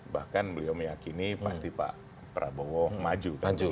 bahkan beliau meyakini pasti pak prabowo maju